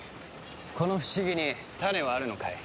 この不思議にタネはあるのかい？